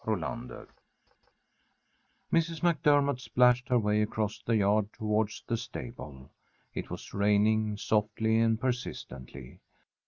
XV. AUNT NELL Mrs. MacDermott splashed her way across the yard towards the stable. It was raining, softly and persistently.